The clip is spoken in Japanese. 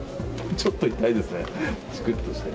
ちょっと痛いですね。